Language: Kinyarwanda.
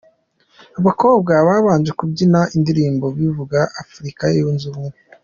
Abakobwa babanje kubyina indirimbo ivuga ko ’Afurika yunze ubumwe’